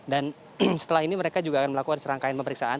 dan setelah ini mereka juga akan melakukan serangkaian pemeriksaan